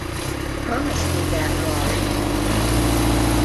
Promise me that, Laurie.